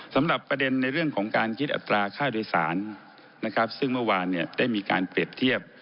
๒๓๔สำหรับประเด็นในเรื่องของการคิดอัตราค่าโดยศาลซึ่งว่าวานได้การเปรียบเทียบ